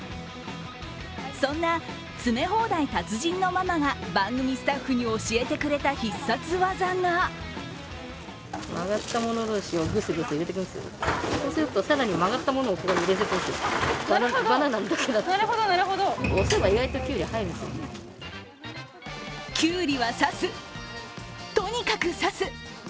そんな詰め放題達人のママが番組スタッフに教えてくれた必殺技がきゅうりは刺す、とにかく刺す。